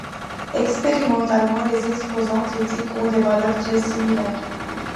Expérimentalement, les exposants critiques ont des valeurs très similaires.